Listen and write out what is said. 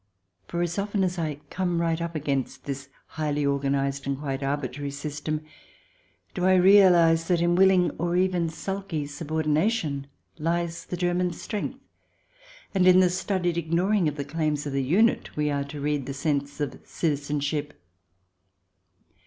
For as often as I come right up against " this highly organized and quite arbitrary system do I realize that in willing or even sulky subordination lies the German strength, and in the studied ignoring of the claims of the unit we are to read the sense of citizenship.